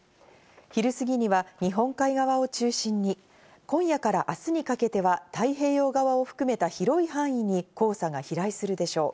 昼過ぎには日本海側を中心に今夜から明日にかけては太平洋側を含めた広い範囲に黄砂が飛来するでしょう。